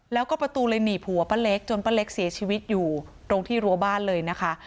แล้วก็ประตูเลยหนีบหัวป้าเล็กจนป้าเล็กเสียชีวิตอยู่ตรงที่รั้วบ้านเลยนะคะ